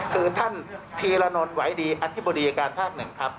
คือท่านธีรนนท์ไหวดีอธิบดีอายการภาคหนึ่งครับ